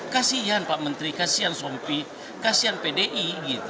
kasian pak menteri kasian sompi kasian pdi